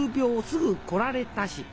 すぐ来られたし」。